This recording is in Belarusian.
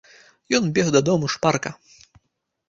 Ён бег дадому шпарка.